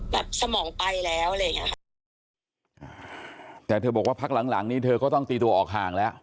สมองไปแล้วอะไรอย่างเงี้ยค่ะแต่เธอบอกว่าพักหลังหลังนี้เธอก็ต้องตีตัวออกห่างแล้ว